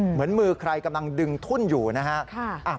เหมือนมือใครกำลังดึงทุ่นอยู่นะฮะ